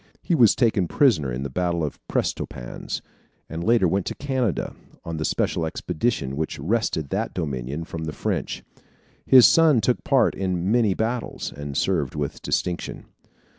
He was taken prisoner in the battle of Prestonpans, and later went to Canada, on the special expedition which wrested that Dominion from the French. His son took part in many battles, and served with distinction.